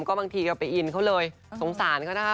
ก็บางทีก็ไปอินเขาเลยสงสารเขานะคะ